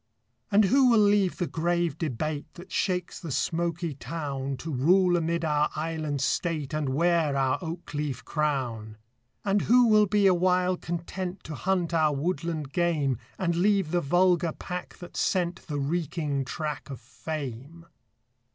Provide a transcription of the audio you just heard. And who will leave the grave debate That shakes the smoky town, To rule amid our island state, And wear our oak leaf crown? And who will be awhile content To hunt our woodland game, And leave the vulgar pack that scent The reeking track of fame?